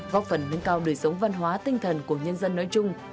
góp phần nâng cao đời sống văn hóa tinh thần của nhân dân nói chung